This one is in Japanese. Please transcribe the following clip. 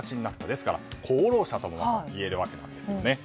ですから功労者ともいえるわけです。